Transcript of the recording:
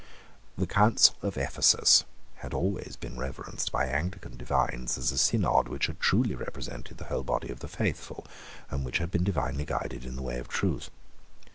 The Council of Ephesus had always been reverenced by Anglican divines as a synod which had truly represented the whole body of the faithful, and which had been divinely guided in the way of truth.